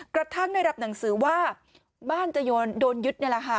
กระทั่งได้รับหนังสือว่าบ้านเจ้าโยนโดนยุด